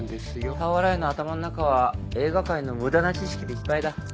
俵屋の頭ん中は映画界の無駄な知識でいっぱいだ。